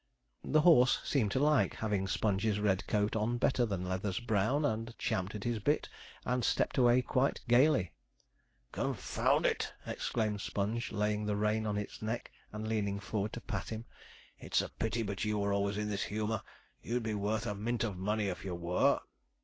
The horse seemed to like having Sponge's red coat on better than Leather's brown, and champed his bit, and stepped away quite gaily. 'Confound it!' exclaimed Sponge, laying the rein on its neck, and leaning forward to pat him; 'it's a pity but you were always in this humour you'd be worth a mint of money if you were.'